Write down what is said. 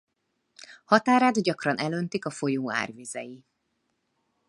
Határát gyakran elöntik a folyó árvizei.